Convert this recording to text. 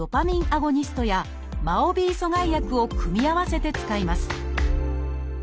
アゴニストやＭＡＯ−Ｂ阻害薬を組み合わせて使います